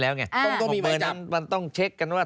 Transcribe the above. แล้วต้องเช็คกันว่า